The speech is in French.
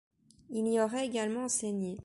Il y aurait également enseigné.